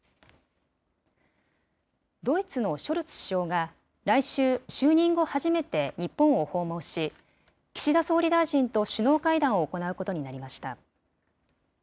ドイツのショルツ首相が、来週、就任後初めて日本を訪問し、岸田総理大臣と首脳会談を行うことになりました。